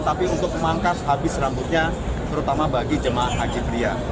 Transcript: tapi untuk memangkas habis rambutnya terutama bagi jemaah haji pria